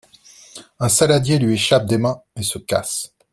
Un saladier lui échappe des mains et se casse.